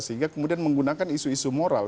sehingga kemudian menggunakan isu isu moral